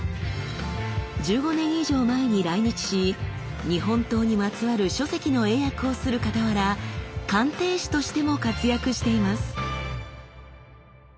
１５年以上前に来日し日本刀にまつわる書籍の英訳をするかたわら鑑定士としても活躍しています。